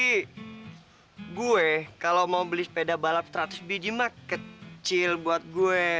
tapi gue kalau mau beli sepeda balap seratus biji mah kecil buat gue